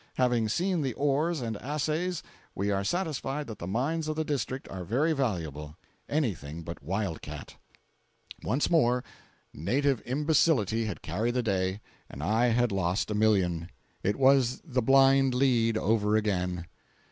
Having seen the ores and assays, we are satisfied that the mines of the District are very valuable—anything but wild cat. Once more native imbecility had carried the day, and I had lost a million! It was the "blind lead" over again.